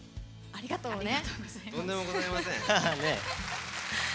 ありがとうね。